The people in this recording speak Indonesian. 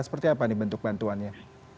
seperti apa bentuk bantuannya